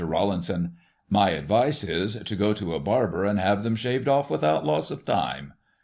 Rawlinson : My advice is, to go to a barber and have them shaved off without loss of time.